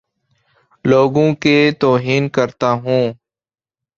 لوگوں کے توہین کرتا ہوں